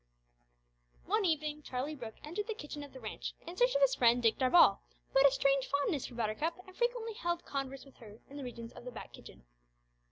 One evening Charlie Brooke entered the kitchen of the ranch in search of his friend Dick Darvall, who had a strange fondness for Buttercup, and frequently held converse with her in the regions of the back kitchen.